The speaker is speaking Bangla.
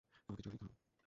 আমাকে জড়িয়ে ধরো।